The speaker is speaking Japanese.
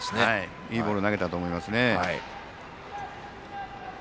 いいボールを投げたと思いますね。